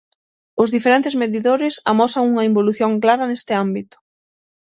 Os diferentes medidores amosan unha involución clara neste ámbito.